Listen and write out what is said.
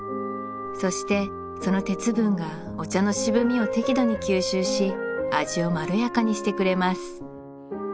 そしてその鉄分がお茶の渋みを適度に吸収し味をまろやかにしてくれます